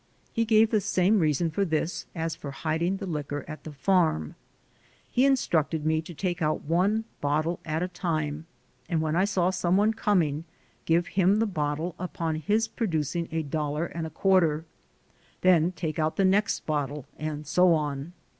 He gave the same reason for this as for hiding the liquor at the farm. He instructed me to take out one bottle at a time, and when I saw some one coming, give him the bottle upon his producing a dollar and a quarter; then take out the next bottle, and so on.